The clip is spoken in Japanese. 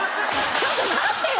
ちょっと待ってよ！